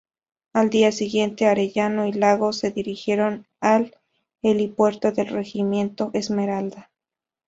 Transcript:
Al día siguiente, Arellano y Lagos se dirigieron al helipuerto del regimiento Esmeralda.